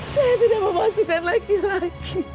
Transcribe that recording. saya tidak memasukkan laki laki